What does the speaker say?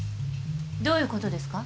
どういうことですか？